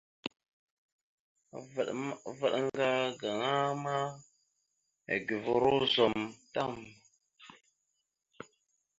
Avaɗ ŋga gaŋa ma eguvoróosom tam.